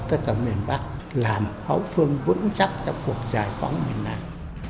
tất cả miền bắc làm hậu phương vững chắc trong cuộc giải phóng miền bắc